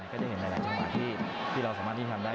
ก็ได้เห็นหลายจังหวะที่เราสามารถที่ทำได้